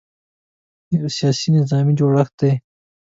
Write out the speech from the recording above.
یو سیاسي – نظامي جوړښت دی.